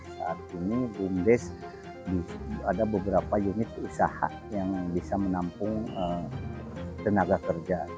saat ini bumdes ada beberapa unit usaha yang bisa menampung tenaga kerja